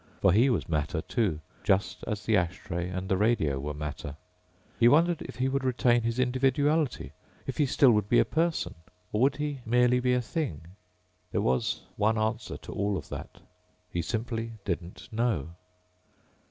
For he was matter, too, just as the ash tray and radio were matter. He wondered if he would retain his individuality ... if he still would be a person. Or would he merely be a thing? There was one answer to all of that. He simply didn't know.